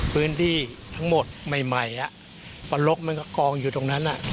พื้นที่ทั้งหมดใหม่ปะล๊อคมันก็กองตรงนั้น